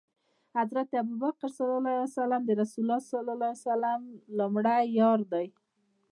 حضرت ابوبکر ص د رسول الله ص لمړی یار دی